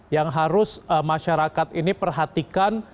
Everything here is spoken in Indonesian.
yang harus masyarakat ini perhatikan